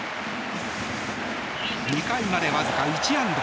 ２回までわずか１安打。